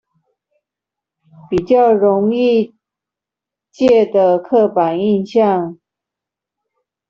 比較容易借的刻板印象